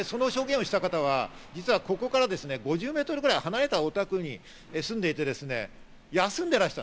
その証言をした方は実はここから５０ｍぐらい離れたお宅に住んでいて休んでらした。